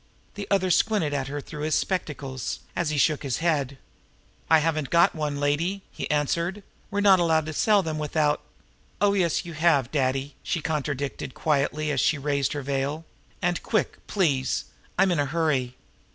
The other squinted at her through his spectacles, as he shook his head. "I haven't got any, lady," he answered. "We're not allowed to sell them without " "Oh, yes, you have, Daddy," she contradicted quietly, as she raised her veil. "And quick, please; I'm in a hurry."